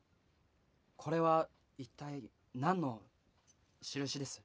これは一体何の印です？